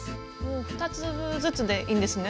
２粒ずつでいいんですね。